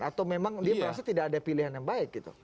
atau memang dia merasa tidak ada pilihan yang baik gitu